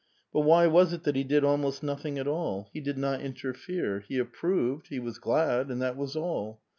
But why was it that he did almost nothing at all? He did not interfere; he approved; he was glad, and that was all.